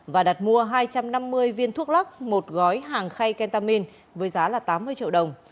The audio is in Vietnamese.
và đặt mua hai trăm năm mươi viên thuốc lắc một gói hàng khay kentamin với giá tám mươi triệu đồng